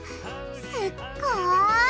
すっごい！